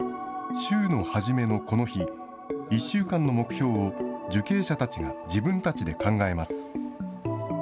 週の初めのこの日、１週間の目標を受刑者たちが自分たちで考えます。